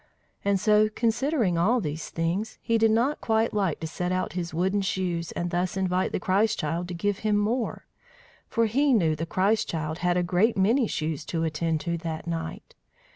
And so, considering all these things, he did not quite like to set out his wooden shoes, and thus invite the Christ child to give him more; for he knew the Christ child had a great many shoes to attend to that night.